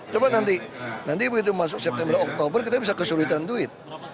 coba nanti nanti begitu masuk september oktober kita bisa kesulitan duit